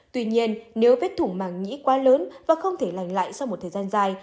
tuy nhiên nếu vết thủng màng nhĩ quá lớn và không thể lành lại sau một thời gian dài